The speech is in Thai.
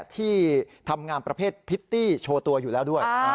ที่ทำงานประเภทพิตตี้โชว์ตัวอยู่แล้วด้วย